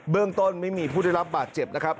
เรื่องต้นไม่มีผู้ได้รับบาดเจ็บนะครับ